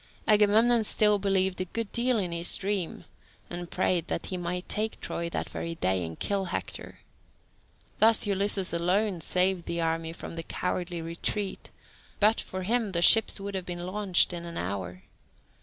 Agamemnon still believed a good deal in his dream, and prayed that he might take Troy that very day, and kill Hector. Thus Ulysses alone saved the army from a cowardly retreat; but for him the ships would have been launched in an hour.